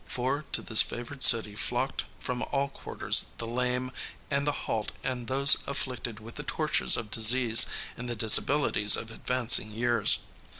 " For to this favored city flocked from all quarters the lame and the halt and those afflicted with the tortures of disease and the disabilities of advancing years.